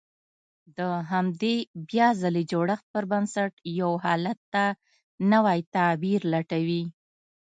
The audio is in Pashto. د همدې بيا ځلې جوړښت پر بنسټ يو حالت ته نوی تعبير لټوي.